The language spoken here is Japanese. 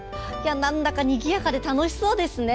にぎやかで楽しそうですね。